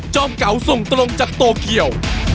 จอมเก๋าทรงตรงจากโตเกียว